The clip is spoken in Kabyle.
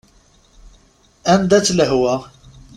Anda-tt lehwa?